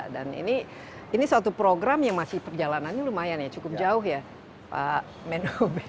dan ini suatu program yang masih perjalanannya lumayan ya cukup jauh ya pak menop